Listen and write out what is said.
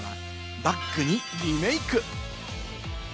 バッグにリメイク。